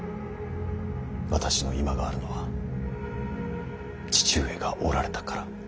私の今があるのは父上がおられたから。